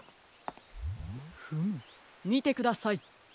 フムみてください。